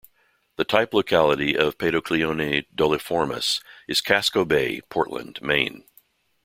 The type locality of "Paedoclione doliiformis" is Casco Bay, Portland, Maine.